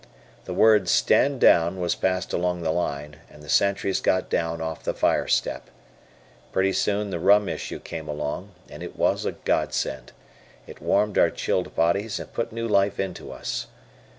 The word "stand down" was passed along the line, and the sentries got down off the fire step. Pretty soon the rum issue came along, and it was a Godsend. It warmed our chilled bodies and put new life into us.